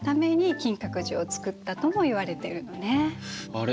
あれ？